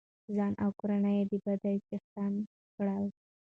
ځان او کورنۍ يې د بدۍ څښتنه کړه.